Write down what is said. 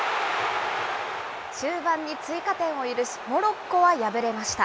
終盤に追加点を許し、モロッコは敗れました。